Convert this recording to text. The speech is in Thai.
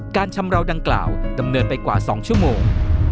ชำราวดังกล่าวดำเนินไปกว่า๒ชั่วโมง